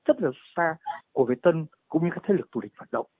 rất là xa của việt tân cũng như các thế lực thủ địch phản động